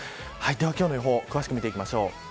では今日の予報詳しく見ていきましょう。